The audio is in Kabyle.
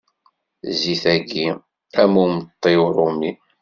Zzit-agi, am umeṭṭi uṛumi.